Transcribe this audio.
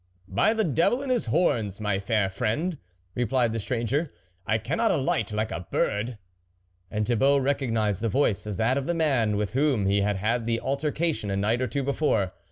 " By the devil and his horns ! my fair friend," replied the stranger. " I cannot alight like a bird !" and Thibault recog nised the voice as that of the man with whom he had had the altercation a night or two before.